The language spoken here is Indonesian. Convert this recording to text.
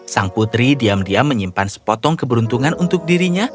sang putri diam diam menyimpan sepotong keberuntungan untuk dirinya